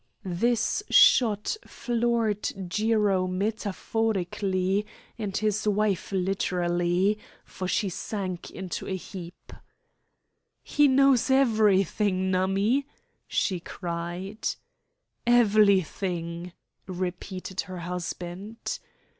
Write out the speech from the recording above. This shot floored Jiro metaphorically, and his wife literally, for she sank into a heap. "He knows everything, Nummie," she cried. "Evelything!" repeated her husband.